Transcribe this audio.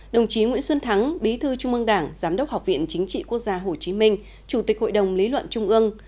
đồng chí nguyễn xuân thắng bí thư trung ương đảng giám đốc học viện chính trị quốc gia hồ chí minh chủ tịch hội đồng lý luận trung ương